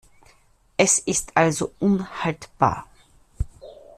Es ist also unhaltbar.